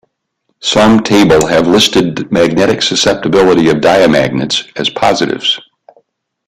Some table have listed magnetic susceptibility of diamagnets as positives.